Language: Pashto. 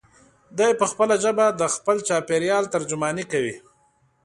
دی په خپله ژبه د خپل چاپېریال ترجماني کوي.